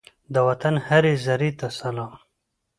د وطن هرې زرې ته سلام!